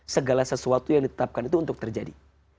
segala sesuatu yang ditetapkan itu untuk terjadi